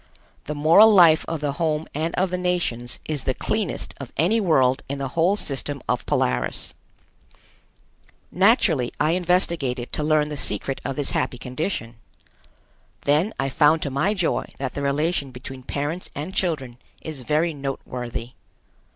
The moral life of the home and of the nations is the cleanest of any world in the whole system of Polaris. Naturally I investigated to learn the secret of this happy condition. Then I found to my joy that the relation between parents and children is very noteworthy.